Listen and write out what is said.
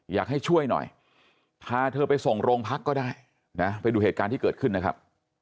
อยากให้ช่วยหน่อยพาเธอไปส่งโรงพักก็ได้นะไปดูเหตุการณ์ที่เกิดขึ้นนะครับ